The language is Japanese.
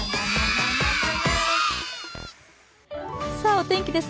お天気です。